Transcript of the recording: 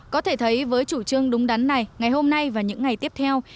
có thể thấy với chủ trương đúng đắn này ngày hôm nay và những ngày tiếp theo